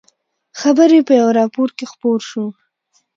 خبر یې په یوه راپور کې خپور شو.